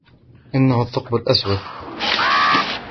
انه ثقب الاسود.